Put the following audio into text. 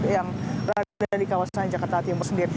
yang berada di kawasan jakarta timur sendiri